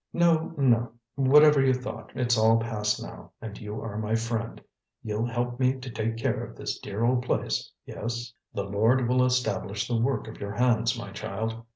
"No, no. Whatever you thought, it's all past now, and you are my friend. You'll help me to take care of this dear old place yes?" "The Lord will establish the work of your hands, my child!"